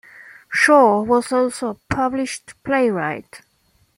Shaw was also a published playwright.